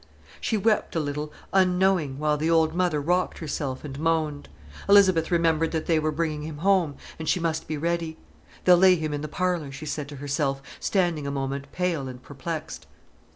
She wept a little, unknowing, while the old mother rocked herself and moaned. Elizabeth remembered that they were bringing him home, and she must be ready. "They'll lay him in the parlour," she said to herself, standing a moment pale and perplexed.